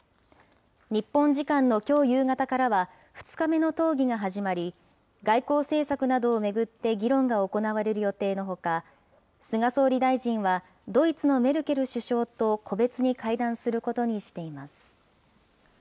日本時間のきょう夕方からは、２日目の討議が始まり、外交政策などを巡って議論が行われる予定のほか、菅総理大臣は、ドイツのメルケル首相と個別に会談することにしています。